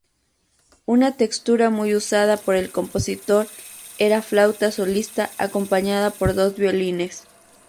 Una textura muy usada por el compositor era flauta solista acompañada por dos violines.